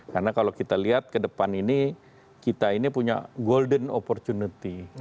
karena kalau kita lihat ke depan ini kita ini punya golden opportunity